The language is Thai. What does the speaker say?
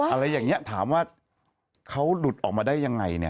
อะไรอย่างนี้ถามว่าเขาหลุดออกมาได้ยังไงเนี่ย